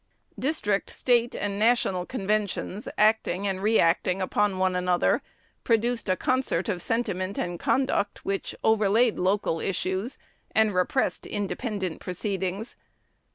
District, State, and national conventions, acting and re acting upon one another, produced a concert of sentiment and conduct which overlaid local issues, and repressed independent proceedings.